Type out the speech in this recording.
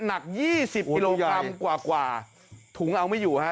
หนัก๒๐กิโลกรัมกว่าถุงเอาไม่อยู่ฮะ